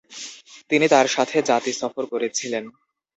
তিনি তার সাথে জাতি সফর করেছিলেন।